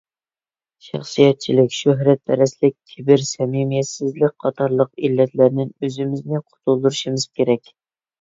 شەخسىيەتچىلىك، شۆھرەتپەرەسلىك، كىبىر، سەمىمىيەتسىزلىك قاتارلىق ئىللەتلەردىن ئۆزىمىزنى قۇتۇلدۇرۇشىمىز كېرەك.